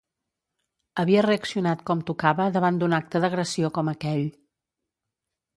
Havia reaccionat com tocava davant d'un acte d'agressió com aquell.